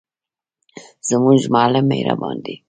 زموږ معلم مهربان دی.